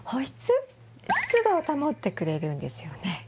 湿度を保ってくれるんですよね。